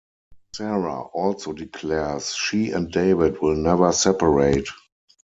Sara also declares she and David will never separate.